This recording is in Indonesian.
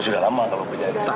sudah lama kalau berjaya